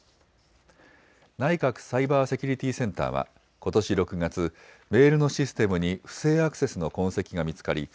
内閣サイバーセキュリティセンターはことし６月、メールのシステムに不正アクセスの痕跡が見つかり